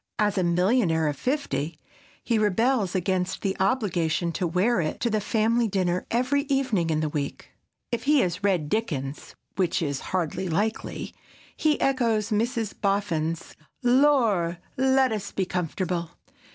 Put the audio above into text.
As a millionaire of fifty, he rebels against the obligation to wear it to the family dinner every evening in the week. If he has read Dickens, which is hardly likely, he echoes Mrs. Boffin's "Lor'! let us be comfortable!"